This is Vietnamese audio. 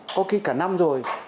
có khi cả năm rồi